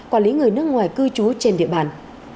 quản lý người nước ngoài cư trú trên địa bàn